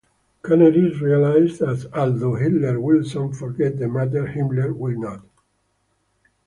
Canaris realizes that although Hitler will soon forget the matter, Himmler will not.